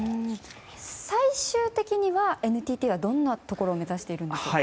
最終的にはＮＴＴはどんなところを目指しているんでしょうか。